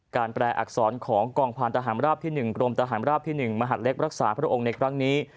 แปลอักษรของกองพันธหารราบที่๑กรมทหารราบที่๑มหาดเล็กรักษาพระองค์ในครั้งนี้